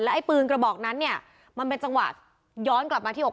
ไอ้ปืนกระบอกนั้นเนี่ยมันเป็นจังหวะย้อนกลับมาที่อก